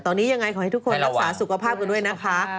ตอนนี้ยังไงขอให้ทุกคนรักษาสุขภาพกันด้วยนะคะ